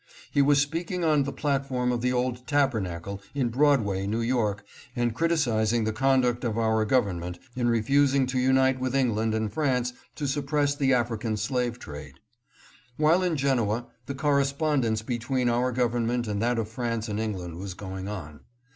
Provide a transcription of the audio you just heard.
He was speaking on the platform of the old tabernacle in Broadway, New York, and criticising the conduct of our Government in refusing to unite with England and France to suppress the African slave trade. While in Genoa, the correspond ence between our Government and that of France and England was going on.